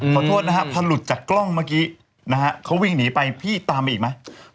ขอโทษนะฮะพอหลุดจากกล้องเมื่อกี้นะฮะเขาวิ่งหนีไปพี่ตามไปอีกไหม